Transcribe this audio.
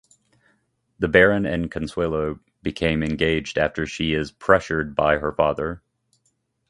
The Baron and Consuelo become engaged after she is pressured by her father.